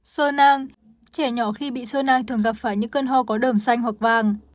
sơ nang trẻ nhỏ khi bị sơ nang thường gặp phải những cơn ho có đờm xanh hoặc vàng